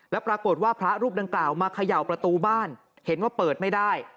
แล้วปรากฏว่าพระรูปดังกล่าวมาเขย่าประตูบ้านเห็นว่าเปิดไม่ได้